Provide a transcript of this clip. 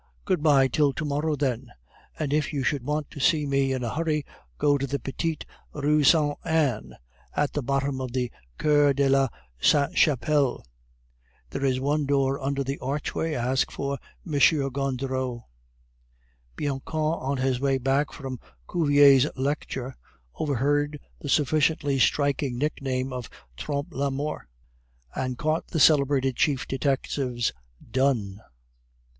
"Good bye till to morrow, then. And if you should want to see me in a hurry, go to the Petite Rue Saint Anne at the bottom of the Cour de la Sainte Chapelle. There is one door under the archway. Ask there for M. Gondureau." Bianchon, on his way back from Cuvier's lecture, overheard the sufficiently striking nickname of Trompe la Mort, and caught the celebrated chief detective's "_Done!